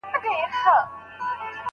نو استعداد دې ښه دی.